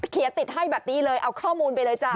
ติดให้แบบนี้เลยเอาข้อมูลไปเลยจ้ะ